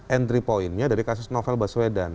entry point nya dari kasus novel baswedan